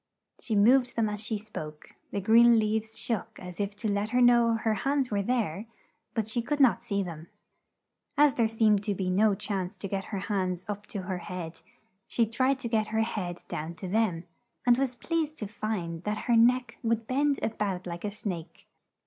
She moved them as she spoke; the green leaves shook as if to let her know her hands were there, but she could not see them. As there seemed to be no chance to get her hands up to her head, she tried to get her head down to them and was pleased to find that her neck would bend a bout like a snake.